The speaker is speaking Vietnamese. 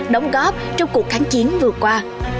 đóng góp trong cuộc kháng chiến vừa qua